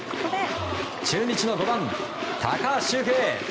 中日の５番、高橋周平。